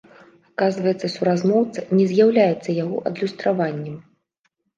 Аказваецца суразмоўца не з'яўляецца яго адлюстраваннем.